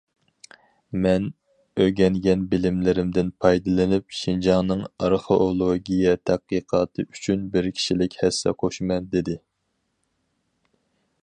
مەن ئۆگەنگەن بىلىملىرىدىن پايدىلىنىپ شىنجاڭنىڭ ئارخېئولوگىيە تەتقىقاتى ئۈچۈن بىر كىشىلىك ھەسسە قوشىمەن، دېدى.